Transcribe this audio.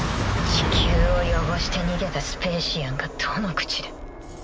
地球を汚して逃げたスペーシアンがどの口で。